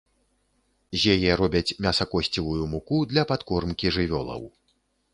З яе зробяць мясакосцевую муку для падкормкі жывёлаў.